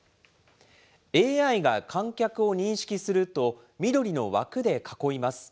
ＡＩが観客を認識すると、緑の枠で囲います。